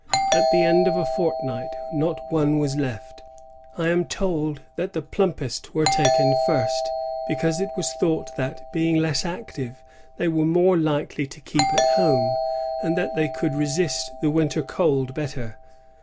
At the end of a fortnight not one was left. I am told that the plumpest were taken first, because it was thought that, being less active, they were more likely to keep at home, and that they could resist the winter cold better.